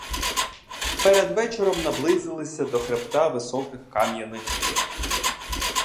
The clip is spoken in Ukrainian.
Перед вечором наблизились до хребта високих кам'яних гір.